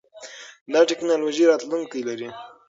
دا ټکنالوژي راتلونکی لري.